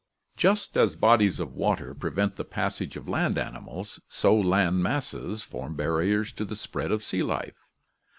Just as bodies of water prevent the passage of land animals, so land masses form barriers to the spread of sea life.